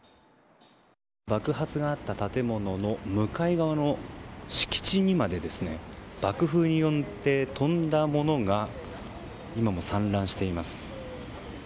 爆発があった建物の向かい側の敷地にまで爆風によって飛んだものが今も散乱しています。